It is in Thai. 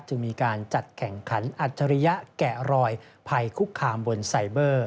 จึงมีการจัดแข่งขันอัจฉริยะแกะรอยภัยคุกคามบนไซเบอร์